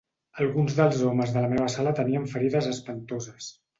Alguns dels homes de la meva sala tenien ferides espantoses